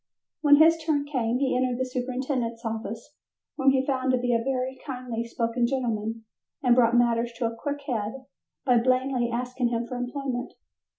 When his turn came he entered the superintendent's office, whom he found to be a very kindly spoken gentleman, and brought matters to a quick head by blandly asking him for employment.